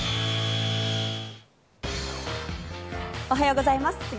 おはようございます。